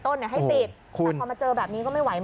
แต่พอมาเจอแบบนี้ก็ไม่ไหว